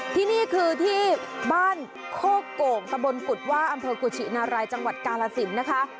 ที่นี่คือที่บ้านโคโก่งตะบนกุฎว่าอำเภอกุชินารายจังหวัดกาลสินนะคะ